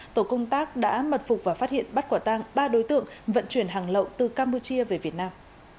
tổ công tác đã mật phục và phát hiện bắt quả tang ba đối tượng vận chuyển hàng lậu từ campuchia về việt nam